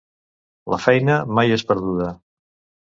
La feina mai és perduda.